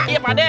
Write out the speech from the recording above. iya pak deh